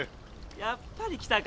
やっぱり来たか。